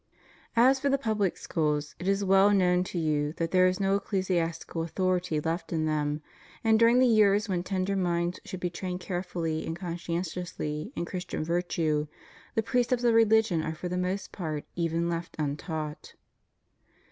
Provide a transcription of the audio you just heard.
As for the public schools, it is well known to you that there is no ecclesiastical authority left in them; and during the years when tender minds should be trained carefully and conscientiously in Christian virtue, the precepts of religion are for the most part even left un taught.